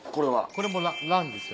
これも蘭ですよ。